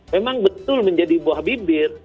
memang betul menjadi buah bibir